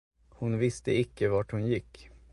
Hon visste icke, vart hon gick.